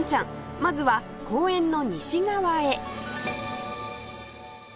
まずは公園の西側へ